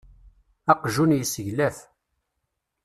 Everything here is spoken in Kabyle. Aqjun yesseglaf.